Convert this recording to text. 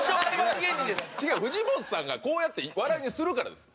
違う藤本さんがこうやって笑いにするからですよ。